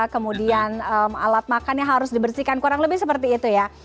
kemudian alat makannya harus dibersihkan kurang lebih seperti itu ya